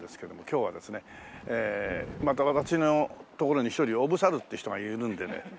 今日はですねまた私のところに１人おぶさるって人がいるんでね。